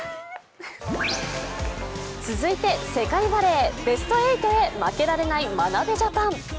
続いて世界バレーベスト８へ負けられない眞鍋ジャパン。